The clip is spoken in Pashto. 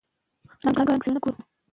که مشر مهربان وي نو کشر نه باغی کیږي.